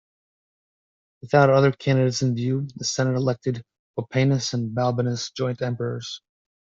Without other candidates in view, the senate elected Pupienus and Balbinus joint emperors.